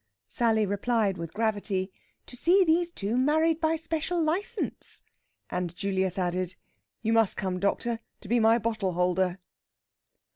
Sally replied with gravity: "To see these two married by special licence." And Julius added: "You must come, doctor, to be my bottle holder."